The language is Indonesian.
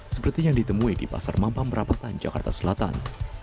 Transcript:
seperti yang ditemui di pasar mampang perapatan jakarta selatan